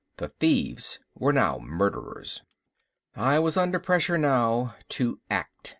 The thieves were now murderers. I was under pressure now to act.